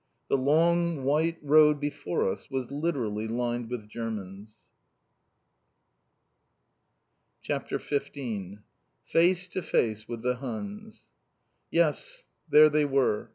The long white road before us was literally lined with Germans. CHAPTER XV FACE TO FACE WITH THE HUNS Yes, there they were!